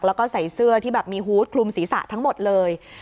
แล้วก็ใส่เสื้อที่แบบมีฮูตคลุมศีรษะทั้งหมดเลย